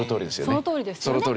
そのとおりですよね。